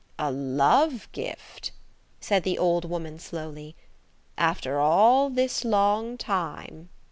"A love gift?" said the old woman slowly. "After all this long time?"